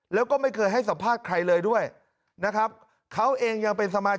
แล้วก็ไม่เคยให้สัมภาษณ์ใครเลยด้วยนะครับ